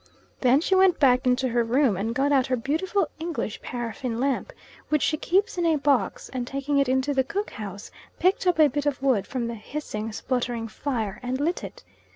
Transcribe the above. Then she went back into her room and got out her beautiful English paraffin lamp, which she keeps in a box, and taking it into the cook house, picked up a bit of wood from the hissing, spluttering fire, and lit it.